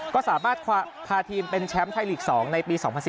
ก็สามารถพาทีมเป็นแชมป์ไทยลีก๒ในปี๒๐๑๙